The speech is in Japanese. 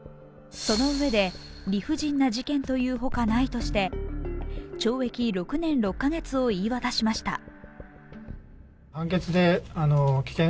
そのうえで理不尽な事件というほかないとして、懲役６年６カ月を言い渡しました。